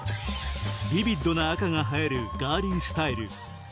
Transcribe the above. ビビッドな赤が映えるガーリースタイル